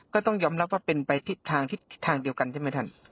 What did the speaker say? ก็ต้องยอมรับว่าเป็นไปทางทิศทางเดียวกันใช่ไหมท่าน